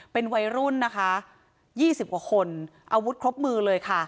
เป็นวัยรุ่นนะคะ๒๐กว่าคนอาวุธครบมือเลยค่ะ